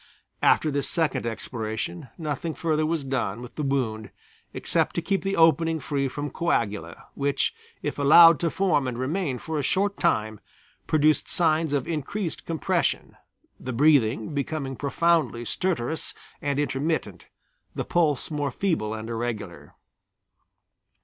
After this second exploration nothing further was done with the wound except to keep the opening free from coagula, which, if allowed to form and remain for a short time, produced signs of increased compression, the breathing becoming profoundly stertorous and intermittent, the pulse more feeble and irregular.